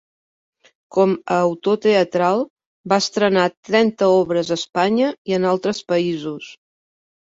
Com a autor teatral va estrenar trenta obres a Espanya i en altres països.